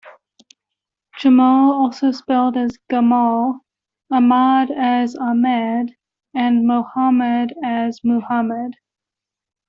Jamal also spelled as Gamal, Ahmad as Ahmed and Mohammad as Muhammad.